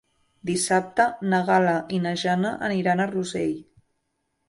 Dissabte na Gal·la i na Jana aniran a Rossell.